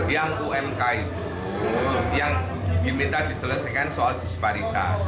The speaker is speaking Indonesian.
yang umk itu yang diminta diselesaikan soal disparitas